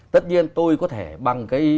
tất nhiên tôi có thể bằng cái